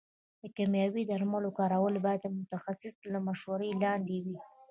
د کيمياوي درملو کارول باید د متخصص تر مشورې لاندې وي.